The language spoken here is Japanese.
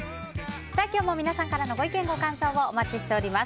今日も皆さんからのご意見、ご感想をお待ちしています。